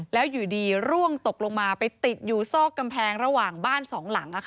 แล้วอยู่ดีร่วงตกลงมาไปติดอยู่ซอกกำแพงระหว่างบ้านสองหลัง